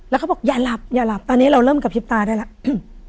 แล้วเขาบอกอย่าหลับอย่าหลับตอนนี้เราเริ่มกระพริบตาได้แล้วอืม